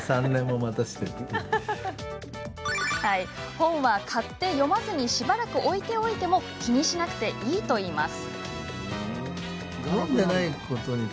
本は買って読まずにしばらく置いておいても気にしなくていいといいます。